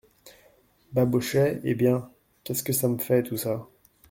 Babochet Eh bien ! qu'est-ce que ça me fait, tout ça ?